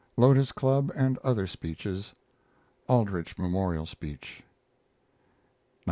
Lotos Club and other speeches. Aldrich memorial speech. 1909.